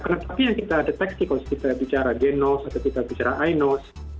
tetapi yang kita deteksi kalau kita bicara genos atau kita bicara inos